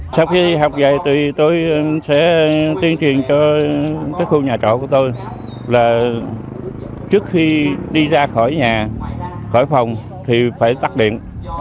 sau khi học về thì tôi sẽ tuyên truyền cho cái khu nhà trọ của tôi là trước khi đi ra khỏi nhà khỏi phòng thì phải tắt điện